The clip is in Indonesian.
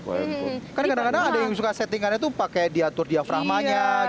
kan kadang kadang ada yang suka settingannya itu pakai diatur diaframanya